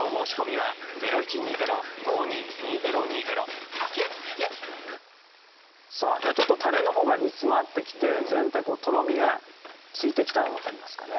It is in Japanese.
身につけたりとかそうその時にねちょっとたれのほうが煮詰まってきて全体とろみがついてきたの分かりますかね